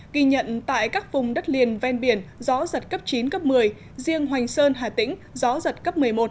ghi nhận tại các vùng đất liền ven biển gió giật cấp chín cấp một mươi riêng hoành sơn hà tĩnh gió giật cấp một mươi một